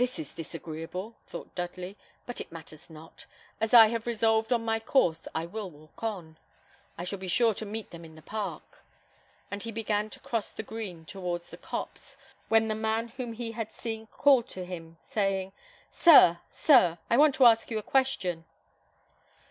"This is disagreeable!" thought Dudley; "but it matters not. As I have resolved on my course, I will walk on. I shall be sure to meet them in the park;" and he began to cross the green towards the copse, when the man whom he had seen called to him, saying, "Sir, sir! I want to ask you a question."